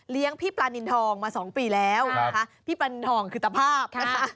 เลี้ยงพี่ปลานินทองมาสองปีแล้วครับพี่ปลานินทองคือตะภาพค่ะ